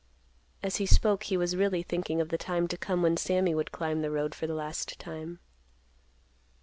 As he spoke he was really thinking of the time to come when Sammy would climb the road for the last time.